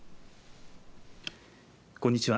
こんにちは。